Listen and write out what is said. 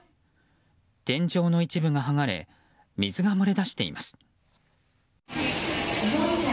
天井の一部が剥がれ水が漏れ出しています。